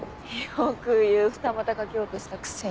よく言う二股かけようとしたくせに。